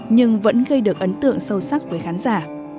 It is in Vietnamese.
nhưng vẫn gây được ấn tượng sâu sắc với khán giả